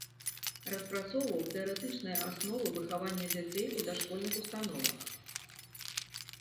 Распрацоўваў тэарэтычныя асновы выхавання дзяцей у дашкольных установах.